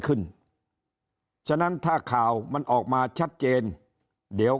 ฉะนั้นถ้าข่าวมันออกมาชัดเจนเดี๋ยว